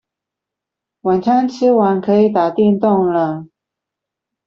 晚餐吃完可以打電動了